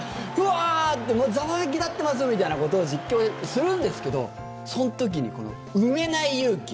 ワー！ってざわめき立ってますみたいなことを実況でするんですけどその時に、この埋めない勇気。